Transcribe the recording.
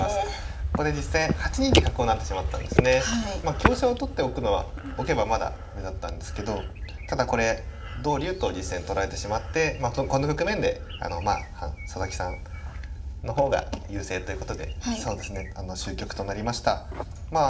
香車を取っておけばまだあれだったんですけどただこれ同竜と実戦取られてしまってこの局面で佐々木さんの方が優勢ということでそうですね終局となりました。